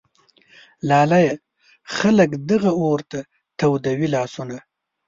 لالیه ! خلک دغه اور ته تودوي لاسونه